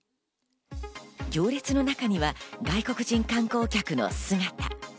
行列の中には外国人観光客の姿。